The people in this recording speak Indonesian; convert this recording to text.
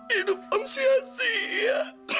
hidup om sia sia